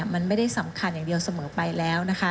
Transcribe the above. มันไม่ได้สำคัญอย่างเดียวเสมอไปแล้วนะคะ